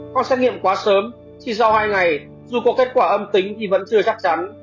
qua xét nghiệm quá sớm chỉ sau hai ngày dù có kết quả âm tính thì vẫn chưa chắc chắn